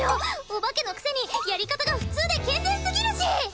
お化けのくせにやり方が普通で健全すぎるし！